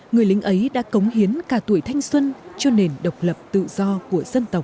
người lính ấy đã cống hiến cả tuổi thanh xuân cho nền độc lập tự do của dân tộc